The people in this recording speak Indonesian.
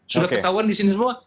sudah ketahuan di sini semua